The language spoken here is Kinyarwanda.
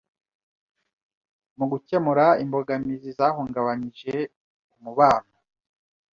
mu gukemura imbogamizi zahungabanyije umubano